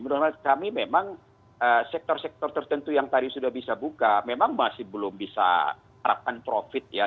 menurut kami memang sektor sektor tertentu yang tadi sudah bisa buka memang masih belum bisa harapkan profit ya